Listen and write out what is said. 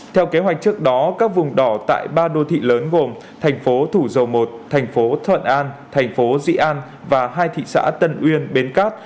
theo kế hoạch trước đó các vùng đỏ tại ba đô thị lớn gồm thành phố thủ dầu một thành phố thuận an thành phố dị an và hai thị xã tân uyên bến cát